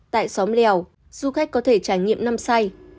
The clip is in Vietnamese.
tại xóm lèo du khách có thể trải nghiệm năm sao